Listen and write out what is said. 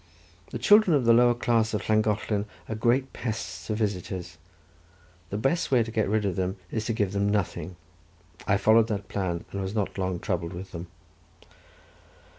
The children of the lower class of Llangollen are great pests to visitors. The best way to get rid of them is to give them nothing: I followed that plan, and was not long troubled with them.